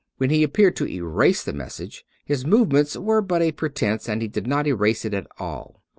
When he ap peared to erase the message, his movements were but a pretense ; and he did not erase it at all.